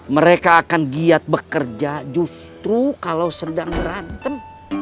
mereka akan giat bekerja justru kalau sedang berantem